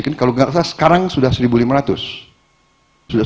kalau tidak salah sekarang sudah seribu lima ratus